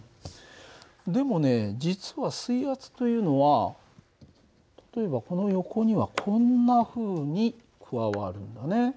でもね実は水圧というのは例えばこの横にはこんなふうに加わるんだね。